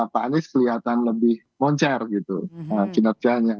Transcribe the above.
pak anies kelihatan lebih moncer gitu kinerjanya